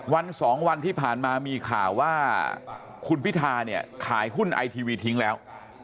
วันสองวันที่ผ่านมามีข่าวว่าคุณพิธาเนี่ยขายหุ้นไอทีวีทิ้งแล้ว